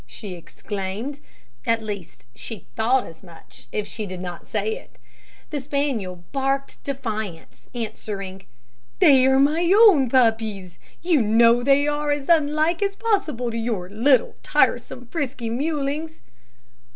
she exclaimed at least, she thought as much, if she did not say it. The spaniel barked defiance, answering "They are my own puppies; you know they are as unlike as possible to your little, tiresome, frisky mewlings."